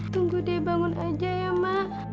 tunggu dia bangun aja ya mak